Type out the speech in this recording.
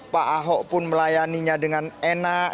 pak ahok pun melayaninya dengan enak